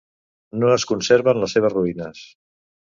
No es conserven les seves ruïnes.